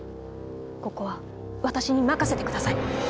ここは私に任せてください。